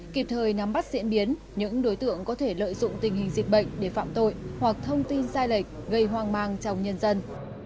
kịp thời nắm bắt diễn biến những đối tượng có thể lợi dụng tình hình dịch bệnh để phạm tội hoặc thông tin sai lệch gây hoang mang trong nhân dân